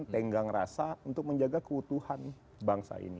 tenggang rasa untuk menjaga keutuhan bangsa ini